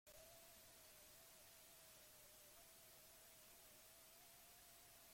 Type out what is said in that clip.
Aurreko batean Etxalarren egon ginen.